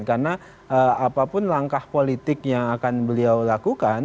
karena apapun langkah politik yang akan beliau lakukan